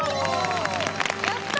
やった！